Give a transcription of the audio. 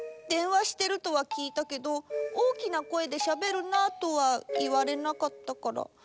でんわしてるとはきいたけど「大きな声でしゃべるな」とはいわれなかったから。